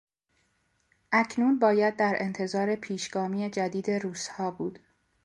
اکنون باید در انتظار پیشگامی جدید روسها بود.